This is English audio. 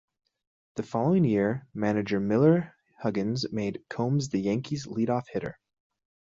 The following year, manager Miller Huggins made Combs the Yankees' leadoff hitter.